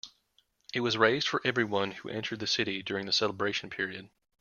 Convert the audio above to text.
It was raised from everyone who entered the city during the celebration period.